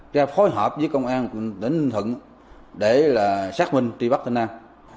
ra phối hợp với công an tỉnh ninh thuận để xác minh tri bắt tên nam